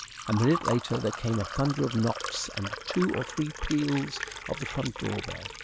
A minute later there came a thunder of knocks and two or three peals of the front door bell.